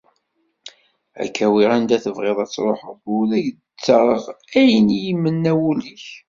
Ad k-awiɣ anda tebɣiḍ ad truḥeḍ u ad k-d-aɣeɣ ayen i d-imenna wul-ik.